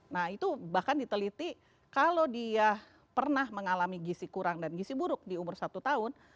nah itu bahkan diteliti kalau dia pernah mengalami gisi kurang dan gisi buruk di umur satu tahun